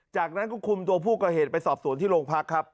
จากนั้นก็คุมตัวผู้ก่อเหตุไปสอบสวนที่โรงพักครับ